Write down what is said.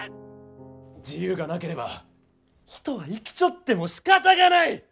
自由がなければ人は生きちょってもしかたがない！